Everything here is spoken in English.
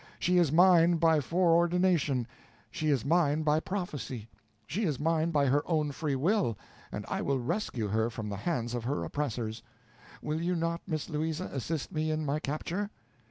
She is mine by foreordination she is mine by prophesy she is mine by her own free will, and I will rescue her from the hands of her oppressors. Will you not, Miss Louisa, assist me in my capture?"